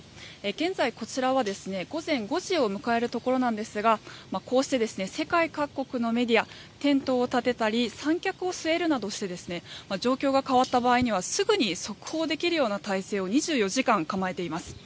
現在こちらは午前５時を迎えるところなんですがこうして、世界各国のメディアがテントを立てたり三脚を据えるなどして状況が変わった場合にはすぐに速報できるような態勢を２４時間構えています。